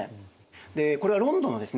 でこれはロンドンのですね